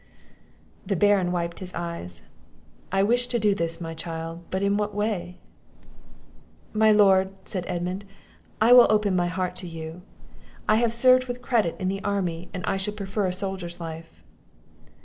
The Baron wiped his eyes; "I wish to do this, my child, but in what way?" "My lord," said Edmund, "I will open my heart to you. I have served with credit in the army, and I should prefer a soldier's life."